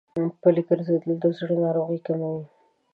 پلي ګرځېدل د زړه ناروغۍ کموي.